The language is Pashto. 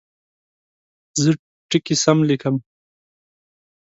زه ټکي سم لیکم.